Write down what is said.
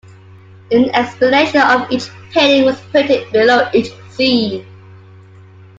An explanation of each painting was printed below each scene.